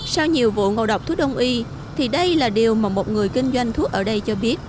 sau nhiều vụ ngộ độc thuốc đông y thì đây là điều mà một người kinh doanh thuốc ở đây cho biết